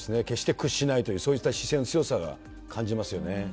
決して屈しないというそういった姿勢の強さ、感じますよね。